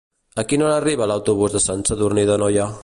A quina hora arriba l'autobús de Sant Sadurní d'Anoia?